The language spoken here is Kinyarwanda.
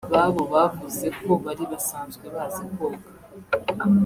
Ababo bavuze ko bari basanzwe bazi koga